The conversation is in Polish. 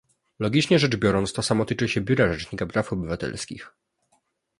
Logicznie rzecz biorąc, to samo tyczy się biura Rzecznika Praw Obywatelskich